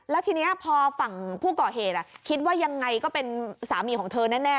แล้วทีนี้พอฝั่งผู้ก่อเหตุคิดว่ายังไงก็เป็นสามีของเธอแน่